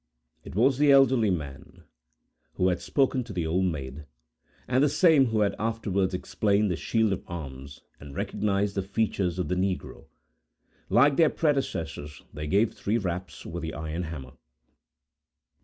It was the elderly man, who had spoken to the Old Maid, and the same who had afterwards explained the shield of arms, and recognized the features of the negro. Like their predecessors, they gave three raps, with the iron hammer.